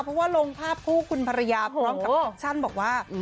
เพราะว่าลงภาพคู่คุณภรรยาพร้อมกับแคปชั่นบอกว่า